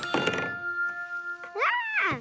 わあ！